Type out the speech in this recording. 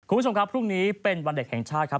คุณผู้ชมครับพรุ่งนี้เป็นวันเด็กแห่งชาติครับ